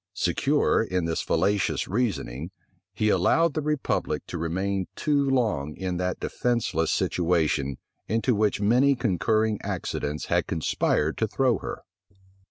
Secure in this fallacious reasoning, he allowed the republic to remain too long in that defenceless situation into which many concurring accidents had conspired to throw her.